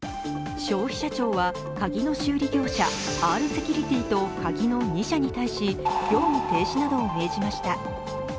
消費者庁は鍵の修理業者Ｒセキュリティと鍵の２社に対し業務停止などを命じました。